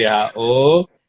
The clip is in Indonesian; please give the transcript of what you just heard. kemudian direview oleh who